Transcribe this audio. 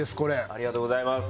ありがとうございます。